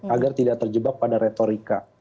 agar tidak terjebak pada retorika